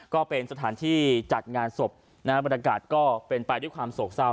ก็เป็นสถานที่จัดงานศพนะฮะบรรยากาศก็เป็นไปด้วยความโศกเศร้า